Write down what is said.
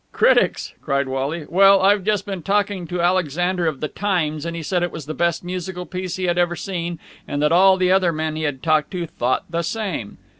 "Critics!" cried Wally. "Well, I've just been talking to Alexander of the Times, and he said it was the best musical piece he had ever seen and that all the other men he had talked to thought the same."